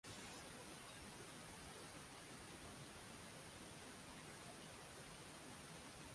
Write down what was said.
দেশের অস্থির পরিস্থিতিতে প্রকাশ হওয়া অ্যালবামটি শ্রোতাদের মনোযোগ পেতে সফল হয়েছিলো।